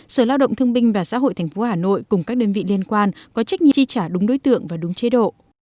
sở lao động thương binh và xã hội tp hà nội cùng các đơn vị liên quan có trách nhiệm chi trả đúng đối tượng và đúng chế độ